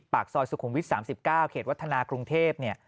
ปากซอยสุขุมวิท๓๙เขตวัฒนากรุงเทพเนี่ย